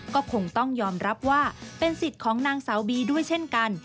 ก็คงต้องยอมรับว่าเป็นสิทธิ์ของนางสาวบีด้วยเช่นกัน